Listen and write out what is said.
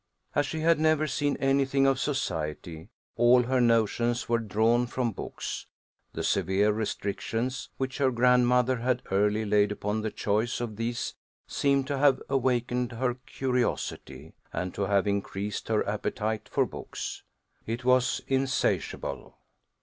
As she had never seen any thing of society, all her notions were drawn from books; the severe restrictions which her grandmother had early laid upon the choice of these seemed to have awakened her curiosity, and to have increased her appetite for books it was insatiable.